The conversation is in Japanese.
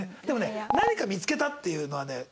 でもね何か見つけたっていうのはね